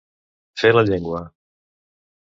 Fer la llengua.